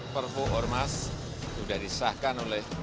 perpu ormas sudah disahkan